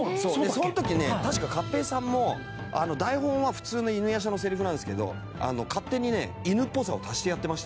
その時ね確か勝平さんも台本は普通の犬夜叉のセリフなんですけど勝手にね犬っぽさを足してやってましたよ。